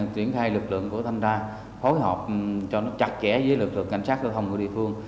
tuyển thay lực lượng của thanh tra phối hợp cho nó chặt chẽ với lực lượng ngành sát giao thông của địa phương